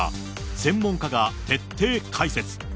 専門家が徹底解説。